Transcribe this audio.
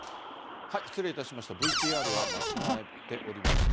失礼いたしました、ＶＴＲが間違っておりました。